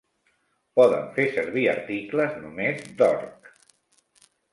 Poden fer servir articles només d'orc.